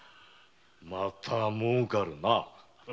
また儲かるな。